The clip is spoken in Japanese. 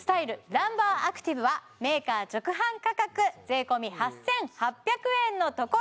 ランバーアクティブはメーカー直販価格税込８８００円のところ